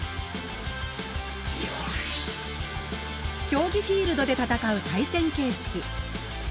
競技フィールドで戦う対戦形式。